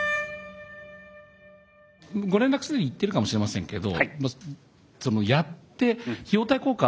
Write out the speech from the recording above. ご連絡すでにいってるかもしれませんけどそのやって費用対効果